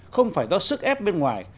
không phải do sức ép bên ngoài